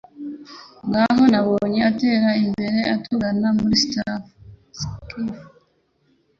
Ngaho nabonye atera imbere atugana muri skiff